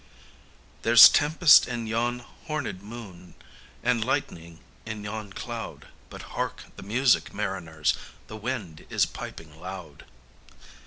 There's tempest in yon horned moon, And lightning in yon cloud; But hark the music, mariners! _The wind is piping loud.